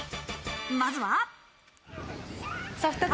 まずは。